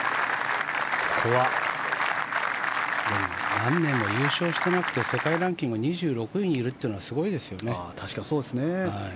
何年も優勝してなくて世界ランク２６位にいるというのはすごいですよね。